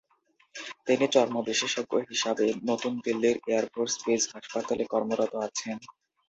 তিনি চর্ম-বিশেষজ্ঞ হিসাবে নতুন দিল্লির এয়ার ফোর্স বেস হাসপাতালে কর্মরত আছেন।